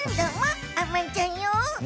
あんまんちゃんよ。